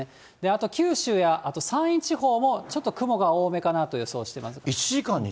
あと、九州やあと山陰地方もちょっと雲が多めかなと予想してます。